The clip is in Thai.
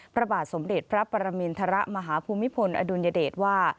พระบาทสมเด็จพระปรมินทรมาฮภูมิพลอดุลยเดชว่า